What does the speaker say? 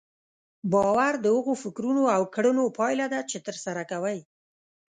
باور د هغو فکرونو او کړنو پايله ده چې ترسره کوئ.